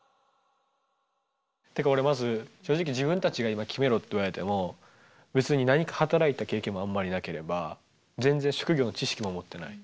てか俺まず正直自分たちが今決めろって言われても別に何か働いた経験もあんまりなければ全然職業の知識も持ってない。